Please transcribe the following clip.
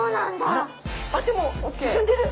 あっでも進んでる！